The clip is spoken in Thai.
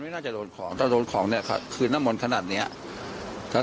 ก็ไม่น่าจะโดนของถ้ารดมงดนี้ถ้าขึ้นนั่นขนาดในนี้